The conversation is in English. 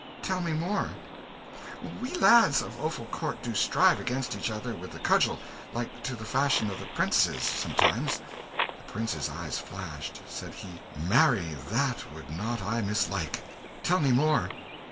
"Tell me more." "We lads of Offal Court do strive against each other with the cudgel, like to the fashion of the 'prentices, sometimes." The prince's eyes flashed. Said he "Marry, that would not I mislike. Tell me more."